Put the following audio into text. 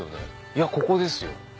いやここですよ。